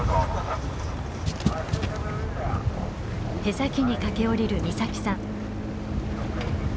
舳先に駆け下りる岬さん。